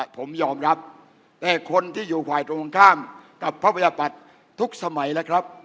ผมยอมรับแต่คนที่อยู่ฝ่ายตรงข้ามกับพระประชาปัตย์ทุกสมัยแล้วครับ